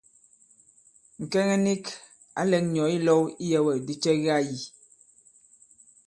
Ŋ̀kɛŋɛ nik ǎ lɛ̄k ŋ̀nyɔ̌ ilɔ̄w iyɛ̄wɛ̂kdi cɛ ki ā yī.